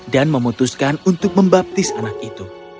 dan memutuskan untuk membaptis anak itu